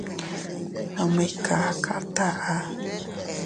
Nome ikaka taʼa.